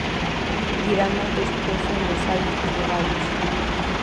Dirán outros que confundo os allos cos bugallos.